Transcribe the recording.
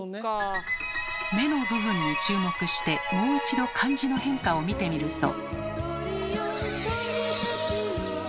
目の部分に注目してもう一度漢字の変化を見てみると。